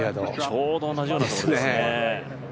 ちょうど同じようなところですね。